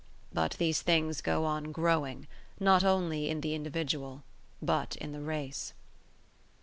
But these things go on growing, not only in the individual but in the race."